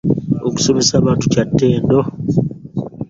Okusomesa abato kya ttendo.